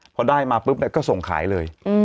เพราะได้มาปุ๊บเนี่ยก็ส่งขายเลย